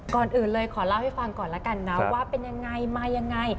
ก่อนอื่นเลยขอเล่าให้ฟังก่อนแล้วกันนะว่าเป็นยังไงมายังไง